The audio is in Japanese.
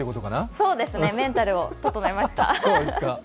そうですね、メンタルを整えました。